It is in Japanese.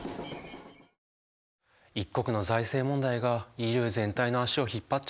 一国の財政問題がＥＵ全体の足を引っ張っちゃったんだね。